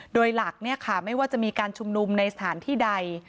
โดยหลักไม่ว่าจะมีการชุมนุมในสถานที่ใด